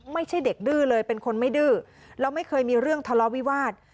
ไม่ใช่เด็กดื้อเลยเป็นคนไม่ดื้อแล้วไม่เคยมีเรื่องทะเลาะวิวาส